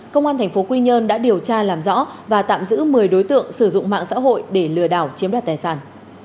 công an tp quy nhơn đã điều tra làm rõ và tạm giữ một mươi đối tượng sử dụng mạng xã hội để lừa đảo chiếm đoạt tài sản